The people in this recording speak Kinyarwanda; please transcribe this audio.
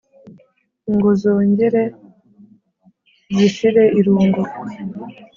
Ngo zongere zishire irungu.